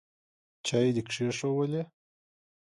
چای دي کښېښوولې ؟